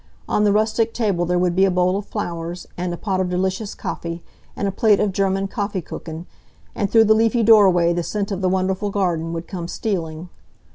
On the rustic table there would be a bowl of flowers, and a pot of delicious Kaffee, and a plate of German Kaffeekuchen, and through the leafy doorway the scent of the wonderful garden would come stealing.